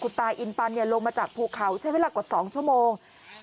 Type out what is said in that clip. ตายอินปันลงมาจากภูเขาใช้เวลากว่า๒ชั่วโมง